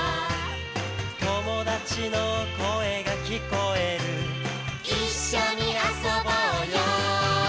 「友達の声が聞こえる」「一緒に遊ぼうよ」